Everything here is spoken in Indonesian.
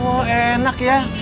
oh enak ya